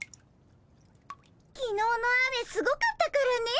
きのうの雨すごかったからね。